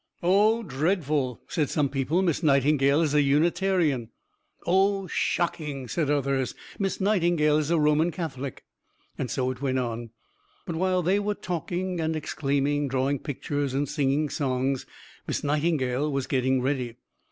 "Oh, dreadful!" said some people; "Miss Nightingale is a Unitarian!" "Oh, shocking!" said others. "Miss Nightingale is a Roman Catholic!" And so it went on. But while they were talking and exclaiming, drawing pictures and singing songs, Miss Nightingale was getting ready.